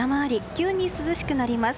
急に涼しくなります。